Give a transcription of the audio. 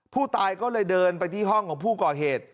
ผู้ตายก็เลยเดินไปที่ห้องของผู้ก่อเหตุ